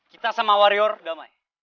kita sama warior damai